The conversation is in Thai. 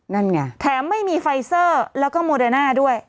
นั่นไงแถมไม่มีไฟเซอร์แล้วก็โมเดอร์น่าด้วย